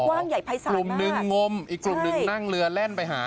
กว้างใหญ่ภายศาลกลุ่มหนึ่งงมอีกกลุ่มหนึ่งนั่งเรือแล่นไปหา